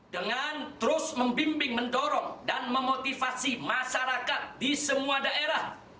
dengan terus membimbing mendorong dan memotivasi masyarakat di semua daerah